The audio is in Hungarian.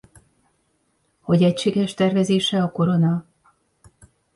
Hogy egységes tervezés-e a korona?